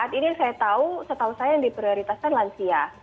saat ini yang saya tahu setahu saya yang diprioritaskan lansia